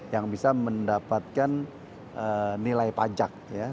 yang bisa mendapatkan nilai pajak